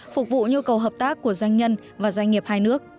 phục vụ nhu cầu hợp tác của doanh nhân và doanh nghiệp hai nước